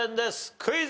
クイズ。